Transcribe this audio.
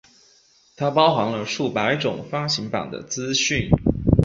它包含了数百种发行版的资讯。